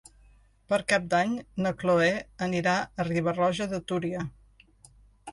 Per Cap d'Any na Chloé anirà a Riba-roja de Túria.